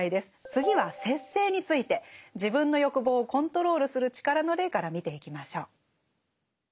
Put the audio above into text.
次は「節制」について自分の欲望をコントロールする力の例から見ていきましょう。